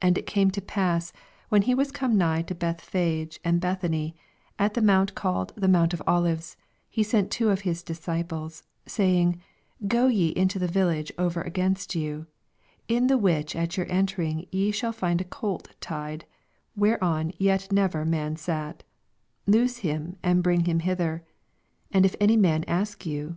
29 And it came to pass, when he was come nigh to Bethpha^e and Bethany, at the mount called the mount of Olives, he sent two of his disciples, 80 Saying, Go jre into the village over against ^ot« ; m the which at your entering ye shall Und a colt tied, whereon yet never man sat : loose him, and bring hian 'hither, 31 And if any man ask you.